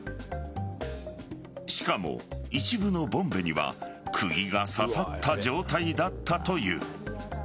しかも、一部のボンベには釘が刺さった状態だったという。